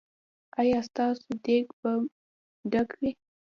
ایا ستاسو دیګ به ډک وي؟